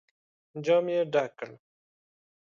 جام يې ډک کړ.